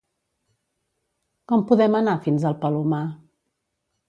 Com podem anar fins al Palomar?